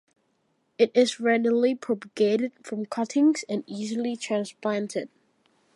It is readily propagated from cuttings and easily transplanted.